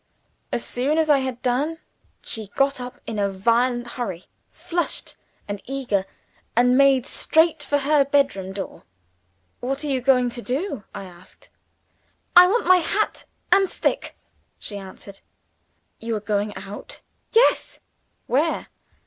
As soon as I had done, she got up in a violent hurry flushed and eager and made straight for her bedroom door. "What are you going to do?" I asked. "I want my hat and my stick," she answered. "You are going out?" "Yes." "Where?"